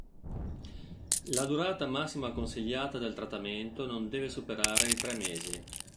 La durata massima consigliata del trattamento non deve superare i tre mesi.